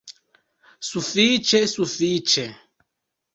Sufiĉe, sufiĉe!